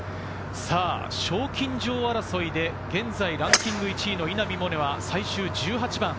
賞金女王争いで現在ランキング１位の稲見萌寧は、最終１８番。